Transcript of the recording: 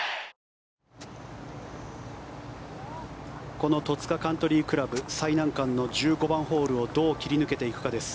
この戸塚カントリー倶楽部最難関の１５番ホールをどう切り抜けていくかです。